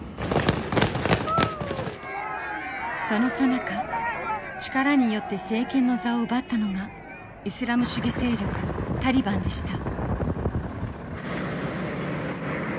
そのさなか力によって政権の座を奪ったのがイスラム主義勢力タリバンでした。